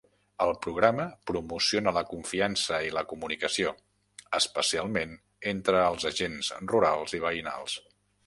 El programa promociona la confiança i la comunicació, especialment entre els agents rurals i veïnals.